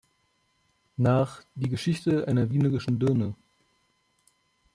Nach "Die Geschichte einer Wienerischen Dirne.